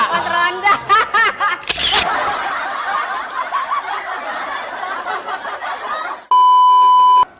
pot ronda hahaha